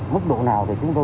mức độ nào thì chúng tôi